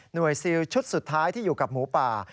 ซิลชุดสุดท้ายที่อยู่กับหมูป่า